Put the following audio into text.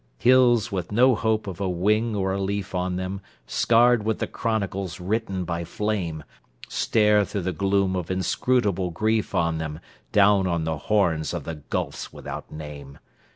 Hills with no hope of a wing or a leaf on them, Scarred with the chronicles written by flame, Stare through the gloom of inscrutable grief on them, Down on the horns of the gulfs without name.